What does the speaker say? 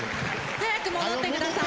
早く戻って下さい。